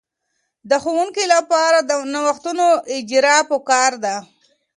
د ښوونکې لپاره د نوښتونو اجراء په کار ده.